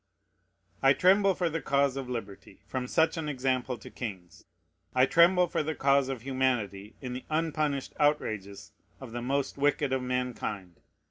I tremble for the cause of liberty, from such an example to kings. I tremble for the cause of humanity, in the unpunished outrages of the most wicked of mankind.